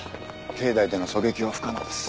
境内での狙撃は不可能です。